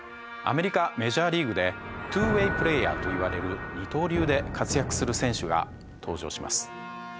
アメリカメジャーリーグでＴｗｏ−ＷａｙＰｌａｙｅｒといわれる二刀流で活躍する選手が登場します。